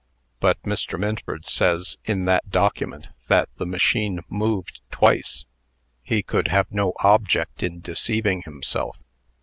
"But Mr. Minford says, in that document, that the machine moved twice. He could have no object in deceiving himself."